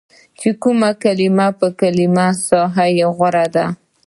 چې کومه کلمه په کومه ساحه کې غوره ده